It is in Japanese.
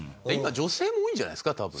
今女性も多いんじゃないですか？